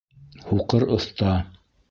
Һуҡыр оҫта